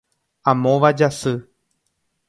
Amóva Jasy